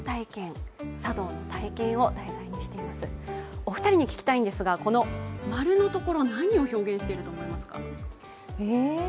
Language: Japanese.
お二人に聞きたいんですが、丸のところは何を表現していると思いますか？